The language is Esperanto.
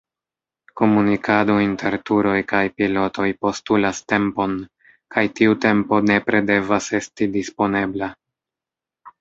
Komunikado inter turoj kaj pilotoj postulas tempon, kaj tiu tempo nepre devas esti disponebla.